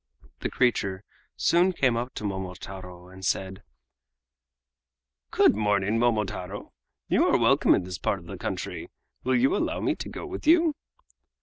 The creature soon came up to Momotaro and said: "Good morning, Momotaro! You are welcome in this part of the country. Will you allow me to go with you?"